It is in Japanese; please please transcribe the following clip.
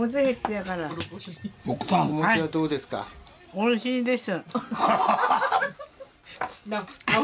おいしいです。